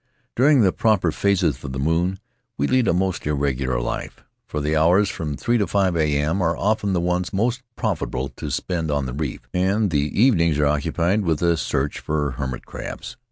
During the proper phases of the moon we lead a most irregular life, for the hours from 3 to 5 A.M. are often the ones most profitable to spend on the reef, and the evenings are occupied with a search for hermit crabs.